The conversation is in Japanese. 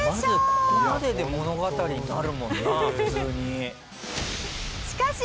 まずここまでで物語になるもんな普通に。